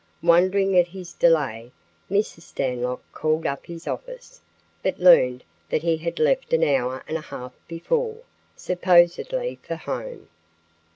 Wondering at his delay, Mrs. Stanlock called up his office, but learned that he had left an hour and a half before, supposedly for home.